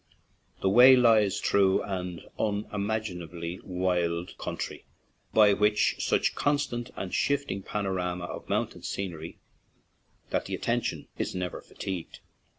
The way lies through an untamably wild coun try, but with such constant and shifting panorama of mountain scenery that the attention is never fatigued.